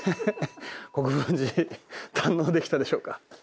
国分寺堪能できたでしょうか？